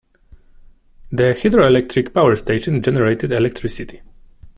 The hydroelectric power station generated electricity.